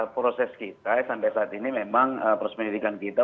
proses kita sampai saat ini memang proses penyelidikan kita